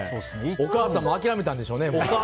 お母さんも諦めたんでしょうね。